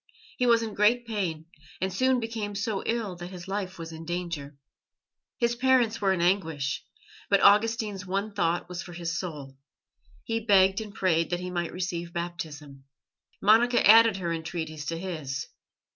He was in great pain, and soon became so ill that his life was in danger. His parents were in anguish, but Augustine's one thought was for his soul; he begged and prayed that he might receive Baptism. Monica added her entreaties to his.